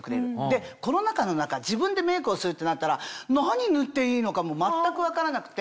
でコロナ禍の中自分でメイクをするってなったら何塗っていいのかも全く分からなくて。